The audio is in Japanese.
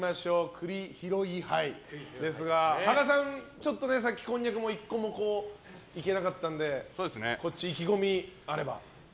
栗拾い杯ですが芳賀さん、さっきこんにゃく１個もいけなかったのでこっち、意気込みあれば。